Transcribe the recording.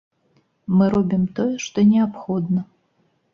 Мы робім тое, што неабходна.